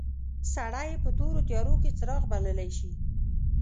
سړی یې په تورو تیارو کې څراغ بللای شي.